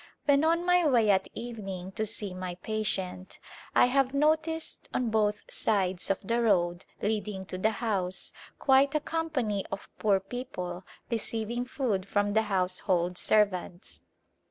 When on my way at evening to see my patient I have noticed on both sides of the road leading to the house quite a company of poor people receiving food from the household servants.